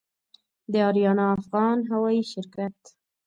د آریانا افغان هوايي شرکت